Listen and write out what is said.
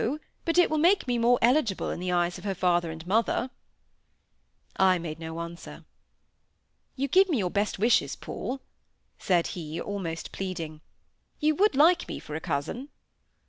but it will make me more eligible in the eyes of her father and mother." I made no answer. "You give me your best wishes, Paul," said he, almost pleading. "You would like me for a cousin?"